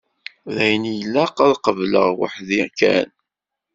D ayen i ilaq ad qableɣ weḥd-i kan.